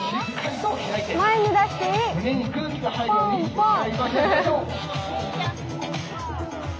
前に出してポンポン。